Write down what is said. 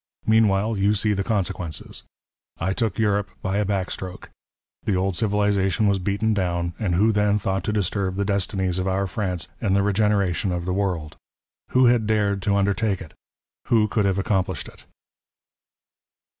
Meanwhile you see the consequences. " I took Europe by a back stroke. The old civilization was " beaten down, and who then thought to disturb the destinies of " our France and the regeneration of the ivorld ? Who had '' dared to undertake it ? Who could have accomplished " it